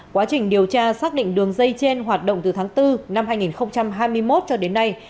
quá trình điều tra xác định đường dây trên hoạt động từ tháng bốn năm hai nghìn hai mươi một cho đến nay